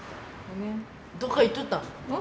どっか行っとったん？